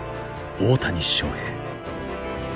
大谷翔平。